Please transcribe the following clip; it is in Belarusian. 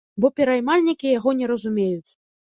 Бо пераймальнікі яго не разумеюць.